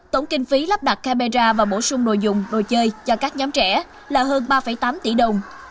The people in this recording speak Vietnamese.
tổng kinh phí lắp đặt camera và bổ sung đồ dùng đồ chơi cho các nhóm trẻ là hơn ba tám tỷ đồng